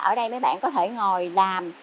ở đây mấy bạn có thể ngồi làm